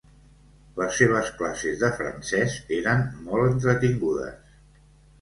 Les seves classes de francès eren molt entretingudes.